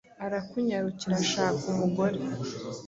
Arakunyarukira ashaka umugore,